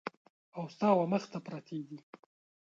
او ستا ومخ ته پرتې دي !